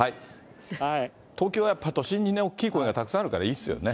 東京はやっぱ都心に大きい公園がたくさんあるからいいですよね。